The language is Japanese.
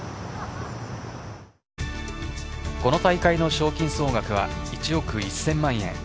今大会の賞金総額は１億１０００万円。